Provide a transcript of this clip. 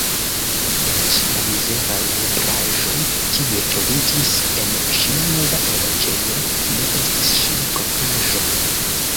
Eĉ la mizeraj meblaĵoj, kiuj troviĝis en ŝia nova loĝejo, ne estis ŝia propraĵo.